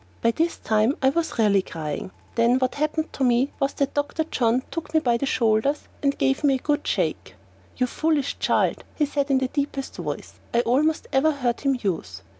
By this time I was really crying. Then what happened to me was that Dr. John took me by the shoulders and gave me one good shake. "You foolish child," he said in the deepest voice I almost ever heard him use.